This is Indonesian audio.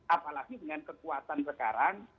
apalagi dengan kekuatan sekarang